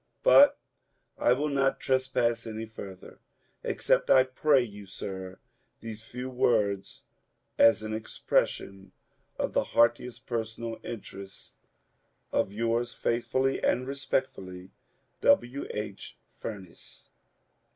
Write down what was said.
But I will not trespass any further. Accept, I pray you, sir, these few words as an expression of the heartiest personal interest of Yours faithfully and respectfully, W. H. FUBNE88.